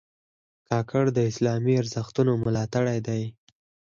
کاکړ د اسلامي ارزښتونو ملاتړي دي.